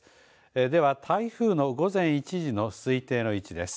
では台風の午前１時の推定の位置です。